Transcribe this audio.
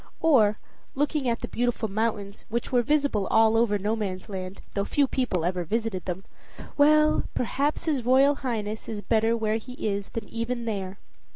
Or, looking at the Beautiful Mountains, which were visible all over Nomansland, though few people ever visited them, "Well, perhaps his Royal Highness is better where he is than even there."